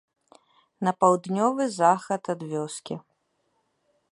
На паўднёвы захад ад вёскі.